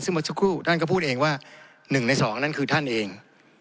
ซึ่งเมื่อสักครู่ท่านก็พูดเองว่า๑ใน๒นั่นคือท่านเอง